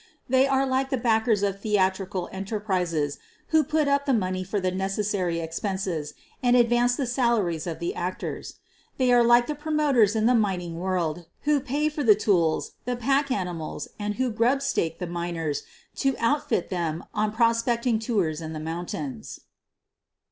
They are like the backers of the atrical enterprises who put up the money for the necessary expenses and advance the salaries of the actors; they are like the promoters in the mining world who pay for the tools, the pack animals, and who " grub stake' ' the miners to outfit them on prospecting tours in the mountains.